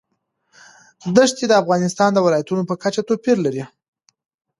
دښتې د افغانستان د ولایاتو په کچه توپیر لري.